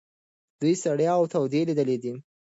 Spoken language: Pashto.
دوی سړې او تودې لیدلي دي.